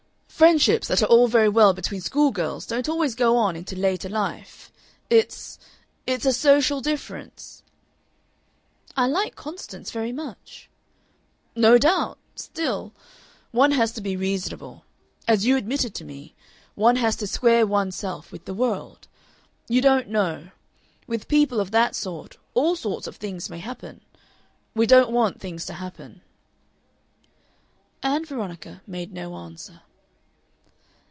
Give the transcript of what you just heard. "Friendships that are all very well between school girls don't always go on into later life. It's it's a social difference." "I like Constance very much." "No doubt. Still, one has to be reasonable. As you admitted to me one has to square one's self with the world. You don't know. With people of that sort all sorts of things may happen. We don't want things to happen." Ann Veronica made no answer.